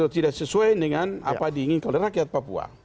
tidak sesuai dengan apa diinginkan oleh rakyat papua